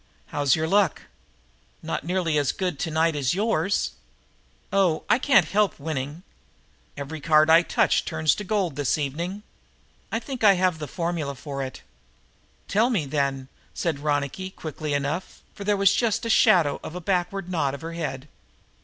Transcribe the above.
"How is your luck?" "Not nearly as good tonight as yours." "Oh, I can't help winning. Every card I touch turns into gold this evening. I think I have the formula for it." "Tell me, then," said Ronicky quickly enough, for there was just the shadow of a backward nod of her head.